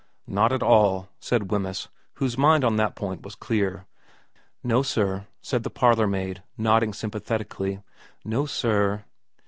' Not at all,' said Wemyss, whose mind on that point was clear. ' No sir,' said the parlourmaid, nodding sympa thetically. ' No sir.'